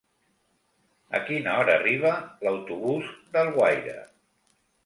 A quina hora arriba l'autobús d'Alguaire?